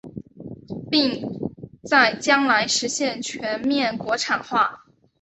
并在将来实现全面国产化。